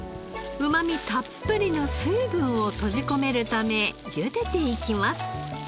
うまみたっぷりの水分を閉じ込めるためゆでていきます。